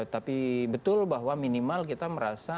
tapi betul bahwa minimal kita merasa